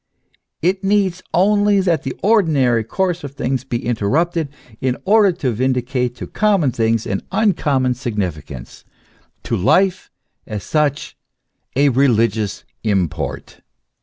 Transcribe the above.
It needs only that the ordinary course of things be interrupted in order to vindi cate to common things an uncommon significance, to life, as such, a religious import.